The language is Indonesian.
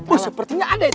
oh sepertinya ada itu